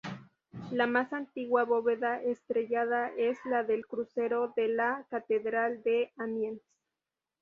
La más antigua bóveda estrellada es la del crucero de la Catedral de Amiens.